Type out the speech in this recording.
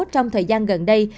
trong thời gian gần đây